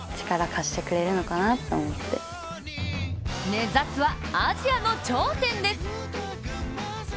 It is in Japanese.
目指すはアジアの頂点です。